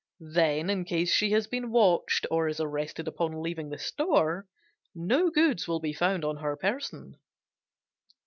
Then in case she has been watched or is arrested upon leaving the store, no goods will be found on her person.